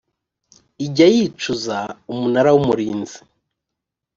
ijya yicuza umunara w umurinzi